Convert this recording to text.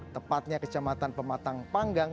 tepatnya kecamatan pematang panggang